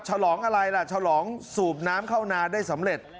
ฉลองอะไรล่ะฉลองสูบน้ำเข้านาได้สำเร็จ